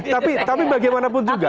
tapi bagaimanapun juga